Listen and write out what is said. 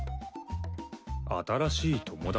新しい友達？